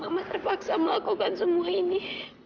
mama terpaksa melakukan semua ini